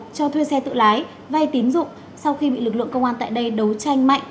cho thuê xe tự lái vay tín dụng sau khi bị lực lượng công an tại đây đấu tranh mạnh